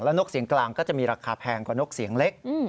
นกเสียงกลางก็จะมีราคาแพงกว่านกเสียงเล็ก